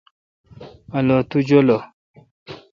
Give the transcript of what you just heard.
الو تو جولہ۔